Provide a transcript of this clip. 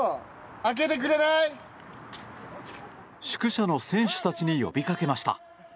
宿舎の選手たちに呼びかけました。